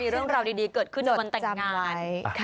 เรื่องราวดีเกิดขึ้นในวันแต่งงาน